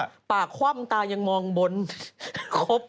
ปากคว่ำตายังมองบนครบ